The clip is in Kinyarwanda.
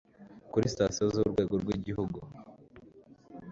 kuri sitasiyo z urwego rw igihugu